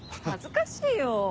恥ずかしいよ。